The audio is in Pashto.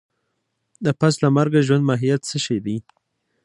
د پس له مرګه ژوند ماهيت څه شی دی؟